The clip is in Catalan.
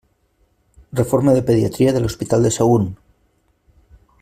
Reforma de pediatria de l'Hospital de Sagunt.